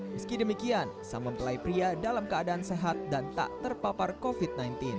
meski demikian sang mempelai pria dalam keadaan sehat dan tak terpapar covid sembilan belas